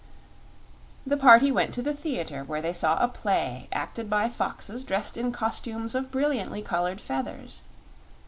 The party went to the theater, where they saw a play acted by foxes dressed in costumes of brilliantly colored feathers.